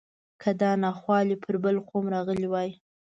که دا ناخوالې پر بل قوم راغلی وای.